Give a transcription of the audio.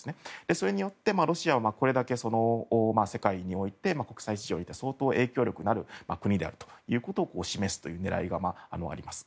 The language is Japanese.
それによってロシアはこれだけ世界において国際市場において相当影響力のある国であるということを示すという狙いがあります。